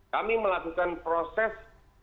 kami melakukan proses